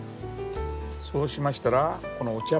そうしましたらこのお茶パック。